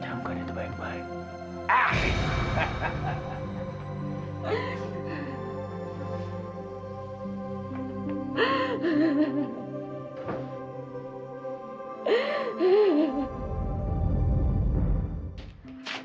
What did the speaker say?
jamkan itu baik baik